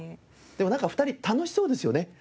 でもなんか２人楽しそうですよね。